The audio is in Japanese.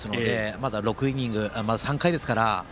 まだ６イニングまだ３回ですから。